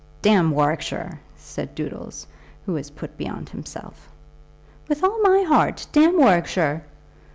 "Damn Warwickshire!" said Doodles, who was put beyond himself. "With all my heart. Damn Warwickshire."